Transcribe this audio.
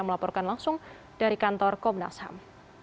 melaporkan langsung dari kantor komnas ham